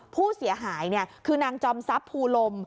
ผู้เสียหายคือนางจอมทรัพย์ภูลม